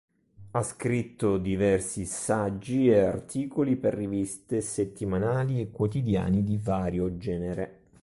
Ha scritto diversi saggi e articoli per riviste, settimanali e quotidiani di vario genere.